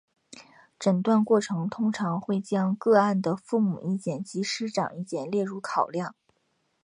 诊断过程通常会将个案的父母意见及师长意见列入考量。